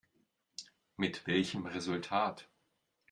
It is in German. Mit welchem Resultat?